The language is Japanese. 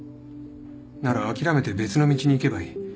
なら諦めて別の道に行けばいい。